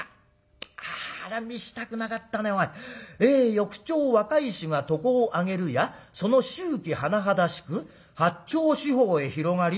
『翌朝若い衆が床を上げるやその臭気甚だしく八町四方へ広がり』。